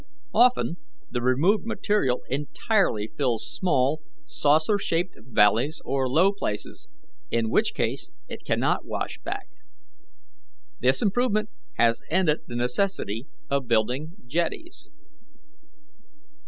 Often the removed material entirely fills small, saucer shaped valleys or low places, in which case it cannot wash back. This improvement has ended the necessity of building jetties.